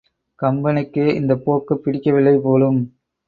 கம்பனுக்கே இந்தப் போக்குப் பிடிக்கவில்லை போலும்.